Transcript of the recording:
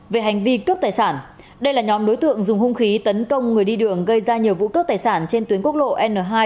về hành vi cướp tài sản đây là nhóm đối tượng dùng hung khí tấn công người đi đường gây ra nhiều vụ cướp tài sản trên tuyến quốc lộ n hai